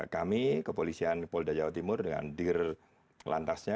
kami kepolisian polda jawa timur dengan dir lantasnya